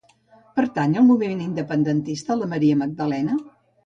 Pertany al moviment independentista la Maria Magdalena?